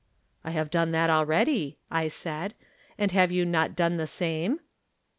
"I have done that already," I said. "And have you not done the same ?